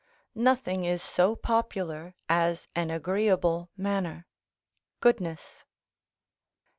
["Nothing is so popular as an agreeable manner (goodness)."